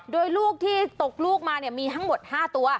โดยลูกที่ตกลูกมามีทั้งหมด๕ตัว